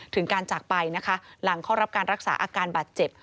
ถึงการจากไปนะคะหลังเข้ารับการรักษาอาการบาดเจ็บ